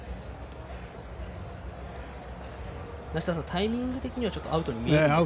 タイミング的にはアウトに見えるんですが。